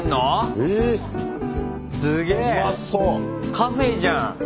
カフェじゃん！